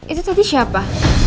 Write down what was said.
itu tadi siapa